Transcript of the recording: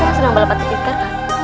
kau tidak senang balapati iqbar kak